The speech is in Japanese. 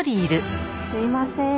すいません。